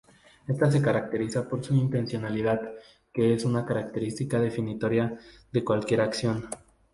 Esta se caracteriza por su intencionalidad, que es una característica definitoria de cualquier acción.